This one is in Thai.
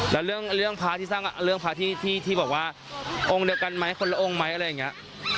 แล้วเรื่องพระที่สร้างเรื่องพระที่บอกว่าองค์เดียวกันไหมคนละองค์ไหมอะไรอย่างนี้